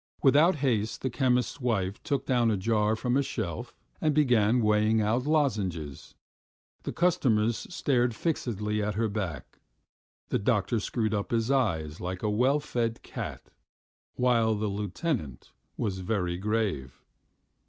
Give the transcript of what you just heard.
Without haste the chemist's wife took down a jar from a shelf and began weighing out lozenges. The customers stared fixedly at her back; the doctor screwed up his eyes like a well fed cat, while the lieutenant was very grave.